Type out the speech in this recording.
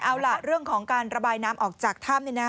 แต่เอาล่ะเรื่องของการระบายน้ำออกจากถ้ำเนี่ยนะ